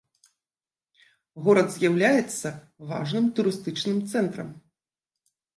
Горад з'яўляецца важным турыстычным цэнтрам.